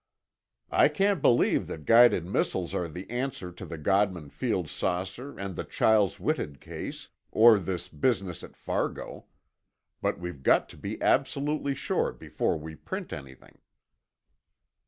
"I can't believe that guided missiles are the answer to the Godman Field saucer and the Chiles Whitted case, or this business at Fargo. But we're got to be absolutely sure before we print anything."